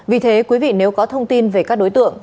vì thế quý vị nếu có thông tin về các đối tượng